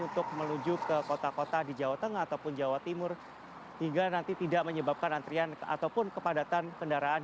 untuk menuju ke kota kota di jawa tengah ataupun jawa timur hingga nanti tidak menyebabkan antrian ataupun kepadatan kendaraan